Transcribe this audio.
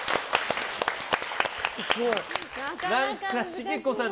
何か、茂子さん